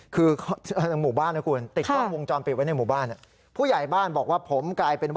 คือ